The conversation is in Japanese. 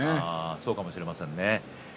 そうかもしれませんね。